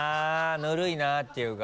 ぬるいなっていうか。